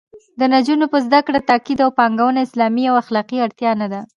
د نجونو په زده کړه تاکید او پانګونه اسلامي او اخلاقي اړتیا نه ده